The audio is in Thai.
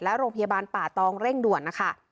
และโรงพยาบาลป่าตองเร่งด่วนนะคะ